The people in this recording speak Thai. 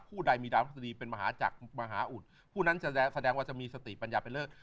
ผู้ใดมีดังพฤษฎีเป็นมหาจักรมหาอุทธิ์ผู้นั้นจะแสดงว่าจะมีสติปัญญาเป็นเลิก